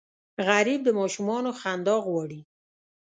غریب د ماشومانو خندا غواړي